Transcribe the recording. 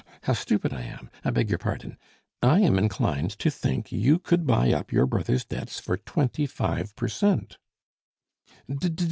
how stupid I am, I beg your pardon I am inclined to think you could buy up your brother's debts for twenty five per cent."